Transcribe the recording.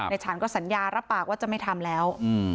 ฉันก็สัญญารับปากว่าจะไม่ทำแล้ว